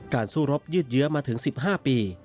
สู้รบยืดเยื้อมาถึง๑๕ปี